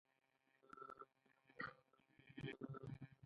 ایا ستاسو تیره هیره شوې نه ده؟